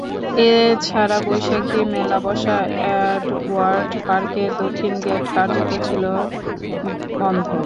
এ ছাড়া বৈশাখী মেলা বসা এডওয়ার্ড পার্কের দক্ষিণ গেট কার্যত ছিল বন্ধ।